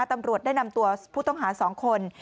ตำรวจได้นำตัวผู้ต้องหา๒คน